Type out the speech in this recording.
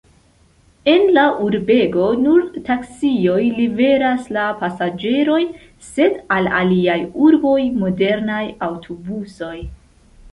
En la urbego nur taksioj liveras la pasaĝerojn, sed al aliaj urboj modernaj aŭtobusoj.